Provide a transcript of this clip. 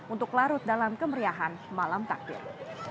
untuk larut dalam kemeriahan malam takbir